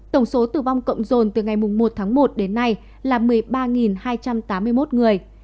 tổng số tử vong cộng dồn từ ngày một tháng một đến nay là một mươi ba hai trăm tám mươi một người